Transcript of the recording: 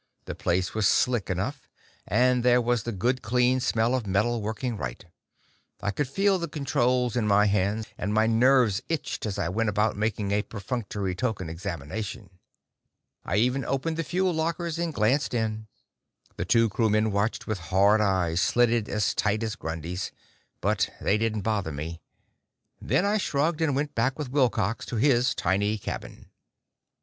The place was slick enough, and there was the good clean smell of metal working right. I could feel the controls in my hands, and my nerves itched as I went about making a perfunctory token examination. I even opened the fuel lockers and glanced in. The two crewmen watched with hard eyes, slitted as tight as Grundy's, but they didn't bother me. Then I shrugged, and went back with Wilcox to his tiny cabin.